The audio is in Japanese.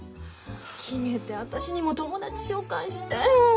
決めて私にも友達紹介してよ。